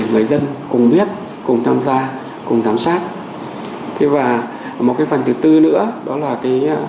người dân cùng biết cùng tham gia cùng giám sát và một cái phần thứ tư nữa đó là cái